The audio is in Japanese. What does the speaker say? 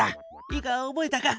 いいか覚えたか？